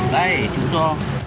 đây chú cho